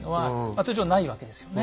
通常はないわけですよね。